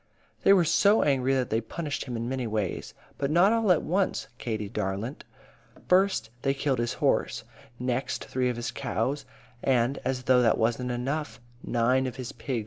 "They were so angry that they punished him in many ways. But not all at once, Katie darlint. First, they killed his horse; next, three of his cows; and, as though that wasn't enough, nine of his pigs died.